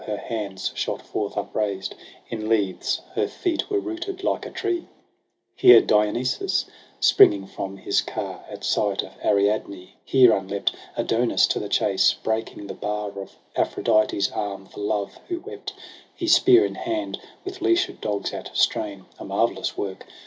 her hands shot forth upraised In leaves, her teet were rooted like a tree : zo Here Dionysos, springing from his car At sight of Ariadne ; here uplept Adonis to the chase, breaking the bar Of Aphrodite's arm for love who wept : He spear in hand, with leashed dogs at strain j A marvellous work.